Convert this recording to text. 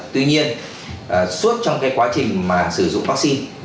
tuy nhiên suốt trong cái quá trình mà sử dụng vaccine